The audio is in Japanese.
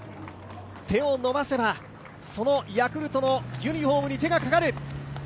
手を伸ばせばヤクルトのユニフォームに手がかかる。